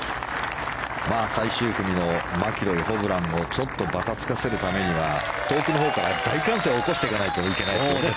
最終組のマキロイ、ホブランをちょっとばたつかせるためには遠くのほうから大歓声を起こしていかないといけないですね。